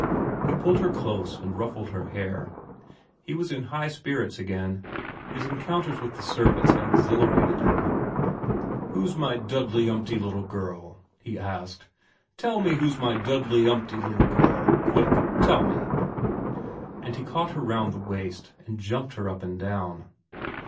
He pulled her close and ruffled her hair. He was in high spirits again. His encounters with the servants had exhilarated him. ' Who's my duddely umpty little girl ?' he asked. * Tell me who's my duddely umpty little girl. Quick. Tell me ' And he caught her round the waist and jumped her up and down.